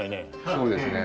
そうですね。